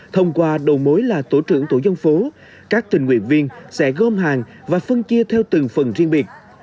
thông qua đầu mối là tổ trưởng tổ dân phố các tình nguyện viên sẽ gom hàng và phân chia theo từng phần riêng biệt